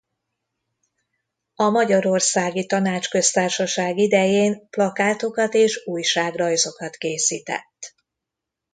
A Magyarországi Tanácsköztársaság idején plakátokat és újságrajzokat készített.